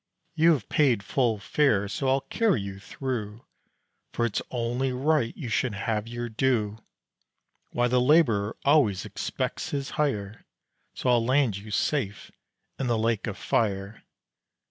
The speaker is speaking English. "You have paid full fare so I'll carry you through; For it's only right you should have your due. Why, the laborer always expects his hire, So I'll land you safe in the lake of fire.